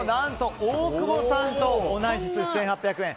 大久保さんと同じ数字１８００円。